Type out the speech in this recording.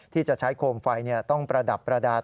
ที่จะใช้โคมไฟต้องประดับประดาษ